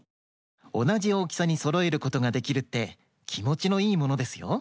おなじおおきさにそろえることができるってきもちのいいものですよ。